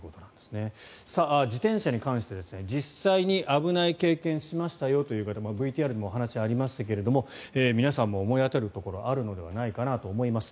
自転車に関して実際に危ない経験をしましたよという方ＶＴＲでもお話がありましたが皆さんも思い当たるところはあるのではないかなと思います。